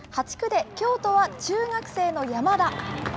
８区で京都は中学生の山田。